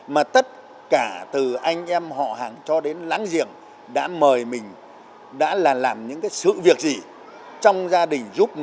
mà tất cả từ anh em họ hàng cho đến láng giềng đã mời mình đã làm những sự việc gì